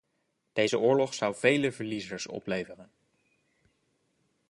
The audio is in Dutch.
Deze oorlog zou vele verliezers opleveren.